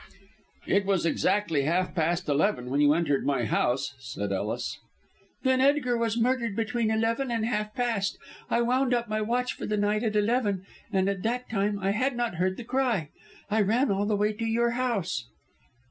"It was exactly half past eleven when you entered my house," said Ellis. "Then Edgar was murdered between eleven and half past. I wound up my watch for the night at eleven, and at that time I had not heard the cry. I ran all the way to your house."